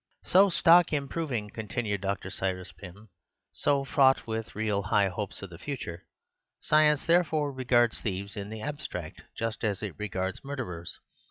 "So stock improving," continued Dr. Cyrus Pym, "so fraught with real high hopes of the future. Science therefore regards thieves, in the abstract, just as it regards murderers.